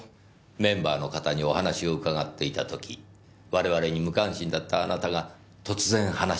メンバーの方にお話を伺っていた時我々に無関心だったあなたが突然話を遮りました。